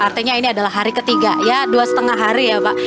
artinya ini adalah hari ketiga ya dua lima hari ya pak